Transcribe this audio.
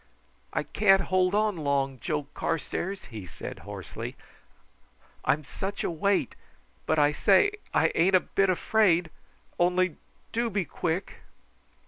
"I can't hold on long, Joe Carstairs," he said hoarsely. "I'm such a weight; but I say I ain't a bit afraid, only do be quick."